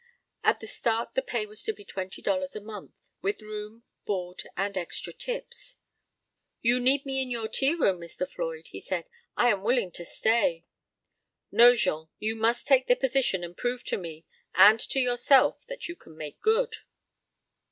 At the start the pay was to be twenty dollars a month, with room, board and extra tips. "You need me in your Tea Room, Mr. Floyd," he said, "I am willing to stay." "No, Jean, you must take the position and prove to me and to yourself that you can make good."